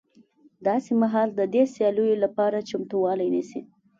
داسې مهال د دې سیالیو لپاره چمتوالی نیسي